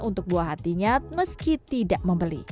untuk buah hatinya meski tidak membeli